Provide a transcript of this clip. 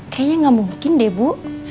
kayanya gak mungkin deh bu